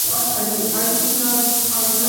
The beer itself is now known as Dark Star Original.